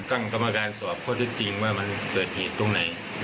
ตั้งกรรมการสอบเพราะจริงว่ามันเกิดผิดตรงไหน